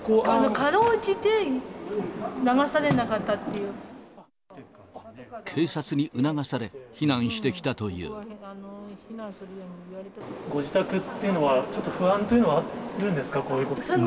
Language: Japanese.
かろうじて流されなかったってい警察に促され、避難してきたご自宅っていうのは、ちょっと不安というのはあるんですか？